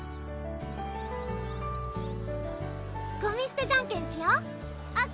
ゴミすてじゃんけんしよ！ＯＫ！